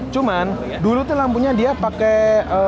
cuman dulu tuh lampunya dia pakai